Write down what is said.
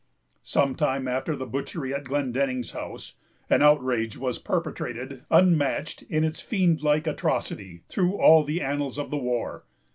Some time after the butchery at Glendenning's house, an outrage was perpetrated, unmatched, in its fiend like atrocity, through all the annals of the war.